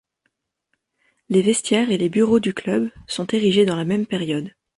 Les vestiaires et les bureaux du club sont érigés dans la même période.